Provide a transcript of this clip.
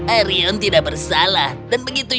arion tidak bersalah dan begitu